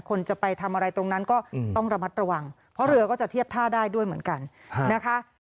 คนจะไปทำอะไรตรงนั้นก็ต้องระมัดระวังเพราะเรือก็จะเทียบท่าได้ด้วยเหมือนกันนะคะ